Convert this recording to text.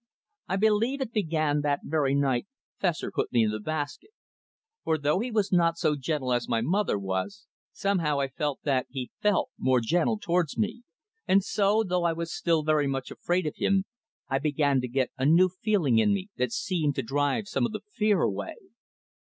I believe it began that very night Fessor put me in the basket. For, though he was not so gentle as my mother was, somehow I felt that he felt more gentle towards me, and so, though I was still very much afraid of him, I began to get a new feeling in me that seemed to drive some of the fear away.